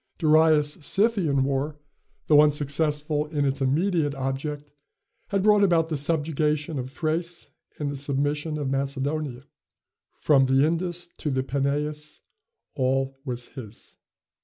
Darius' Scythian war, though unsuccessful in its immediate object, had brought about the subjugation of Thrace and the submission of Macedonia. From the Indus to the Peneus, all was his.